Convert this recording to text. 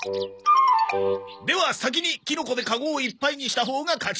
では先にキノコでカゴをいっぱいにしたほうが勝ち。